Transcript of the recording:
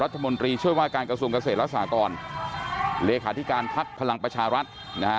รัฐมนตรีช่วยวาลการกระทรวงเกษตรและฉากรเลขาที่การพลักษณ์